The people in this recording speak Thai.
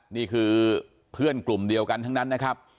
นี่คือเพื่อนกลุ่มเดียวกันทั้งนั้นนะครับ